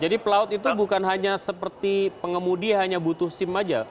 jadi pelaut itu bukan hanya seperti pengemudi hanya butuh sim aja